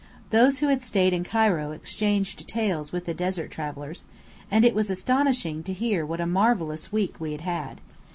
Those who had stayed in Cairo exchanged tales with the desert travellers, and it was astonishing to hear what a marvellous week we had had.